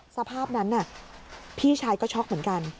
สภาพนั้นพี่ชายก็ช็อกเหมือนกัน